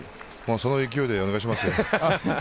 その勢いでお願いしますよ。